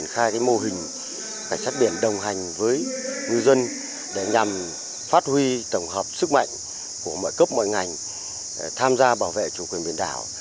khai mô hình cảnh sát biển đồng hành với ngư dân để nhằm phát huy tổng hợp sức mạnh của mọi cấp mọi ngành tham gia bảo vệ chủ quyền biển đảo